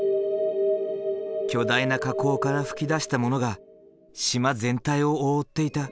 巨大な火口から噴き出したものが島全体を覆っていた。